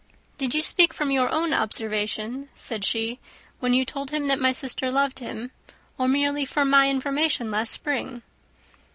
"Did you speak from your own observation," said she, "when you told him that my sister loved him, or merely from my information last spring?"